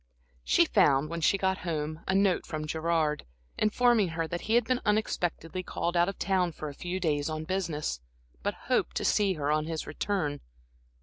She found, when she got home, a note from Gerard, informing her that he had been unexpectedly called out of town for a few days on business, but hoped to see her on his return.